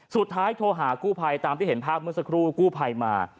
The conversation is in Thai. โทรหากู้ภัยตามที่เห็นภาพเมื่อสักครู่กู้ภัยมา